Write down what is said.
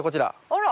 あら。